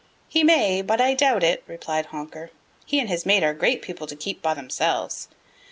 "He may, but I doubt it," replied Honker. "He and his mate are great people to keep by themselves.